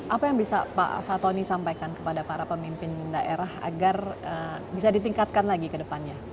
apa yang bisa pak fatoni sampaikan kepada para pemimpin daerah agar bisa ditingkatkan lagi ke depannya